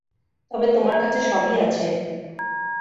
তবে তোমার কাছে সবই আছে।